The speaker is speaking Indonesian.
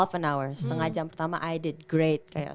setengah jam pertama aku lakuin